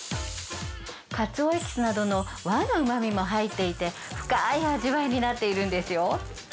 かつおエキスなどの和のうまみも入っていて深い味わいになっているんですよ。